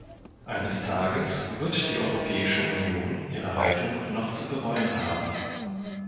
Eines Tages wird die Europäische Union ihre Haltung noch zu bereuen haben.